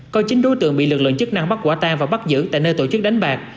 có chín đối tượng bị lực lượng chức năng bắt quả tan và bắt giữ tại nơi tổ chức đánh bạc